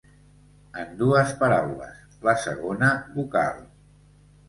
En dues paraules, la segona vocal.